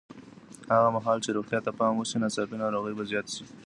هغه مهال چې روغتیا ته پام وشي، ناڅاپي ناروغۍ به زیاتې نه شي.